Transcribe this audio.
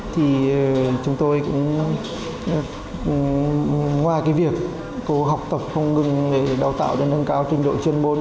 thì chúng tôi cũng ngoài cái việc cô học tập không ngừng để đào tạo để nâng cao trình độ chuyên môn